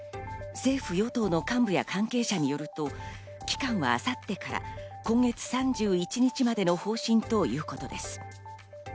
政府の与党の幹部などによりますと、期間は明後日から今月３１日までの方針ということです。